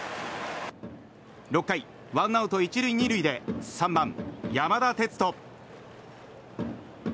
６回、ワンアウト１塁２塁で３番、山田哲人。